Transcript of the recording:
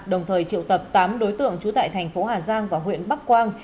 đồng thời triệu tập tám đối tượng trú tại thành phố hà giang và huyện bắc quang